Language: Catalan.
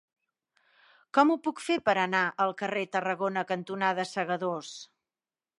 Com ho puc fer per anar al carrer Tarragona cantonada Segadors?